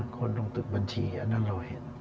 คนตรงตึกบัญชีอันนั้นเราเห็น